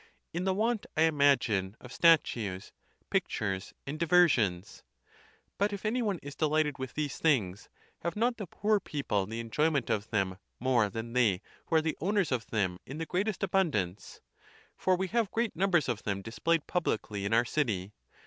In the want, I imagine, of statues, pictures, and diversions. But if any one is delighted with these things, have not the poor peo ple the enjoyment of them more than they who are the owners of them in the greatest abundance? For we have great numbers of them displayed publicly in our city.